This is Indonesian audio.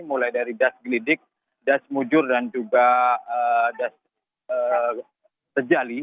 mulai dari das gelidik das mujur dan juga das sejali